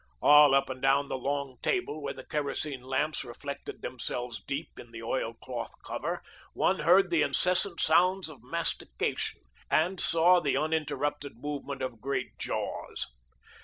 All up and down the long table, where the kerosene lamps reflected themselves deep in the oil cloth cover, one heard the incessant sounds of mastication, and saw the uninterrupted movement of great jaws.